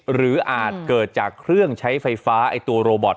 หรืออาจเกิดจากเครื่องใช้ไฟฟ้าตัวโรบอท